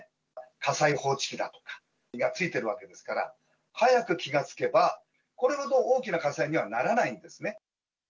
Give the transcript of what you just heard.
火災報知器だとかがついてるわけですから、早く気がつけば、これほど大きな火災にはならないんですね。